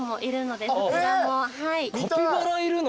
カピバラいるの？